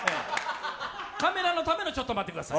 カメラのための、ちょっと待ってください。